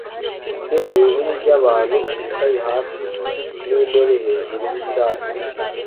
Itsinda rinini ryabantu bicaye hasi nintebe hejuru yicyatsi